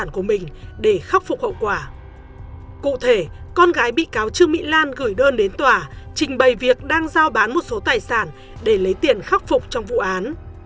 cụ thể con gái bị cáo trương mỹ lan gửi đơn đến tòa trình bày việc đang giao bán một số tài sản để lấy tiền khắc phục trong vụ án